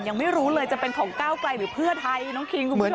ยังไม่รู้เลยจะเป็นของก้าวไกลหรือเพื่อไทยน้องคิงคุณผู้ชม